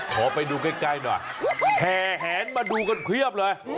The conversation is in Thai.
ขอไปดูใกล้หน่อยแห่แหนมาดูกันเพียบเลย